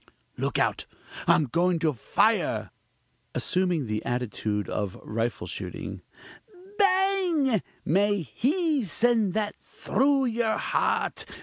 Look out, I'm going to fire (assuming the attitude of rifle shooting) bang! may He send that through your heart!